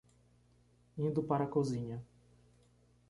Indo para a cozinha